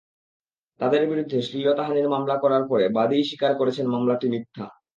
তাঁদের বিরুদ্ধে শ্লীলতাহানির মামলা করে পরে বাদীই স্বীকার করেছেন মামলাটি মিথ্যা।